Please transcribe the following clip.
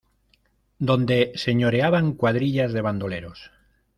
donde señoreaban cuadrillas de bandoleros: